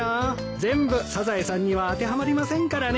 全部サザエさんには当てはまりませんからね。